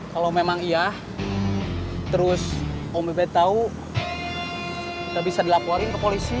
kalau memang iya terus om ubed tau kita bisa dilaporin ke polisi